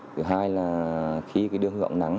thứ hai là khi đưa hướng nắng